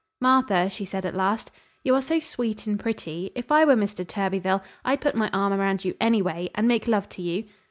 "Martha," she said at last, "you are so sweet and pretty, if I were Mr. Thurbyfil, I'd put my arm around you anyway, and make love to you."